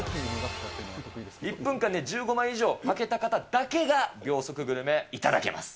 １分間に１５枚以上はけた方だけが秒速グルメ頂けます。